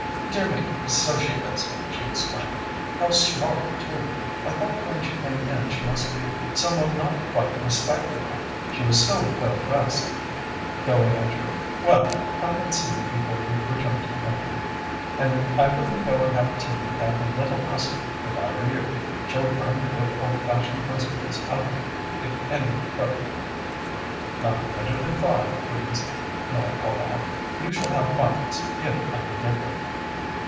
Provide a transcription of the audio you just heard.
"Dear me, so she is!" she exclaimed. "How smart, too! I thought when she came in she must be some one not quite respectable, she was so well dressed. Going, Andrew? Well, come and see me before you return to the country. And I wouldn't go and have tea with that little hussy, if I were you. She'll burn the good old fashioned principles out of you, if anything could." "Not later than five, please," Nora called out. "You shall have muffins, if I can get them."